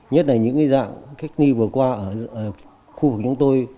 nhất là những dạng cách ly vừa qua ở khu vực chúng tôi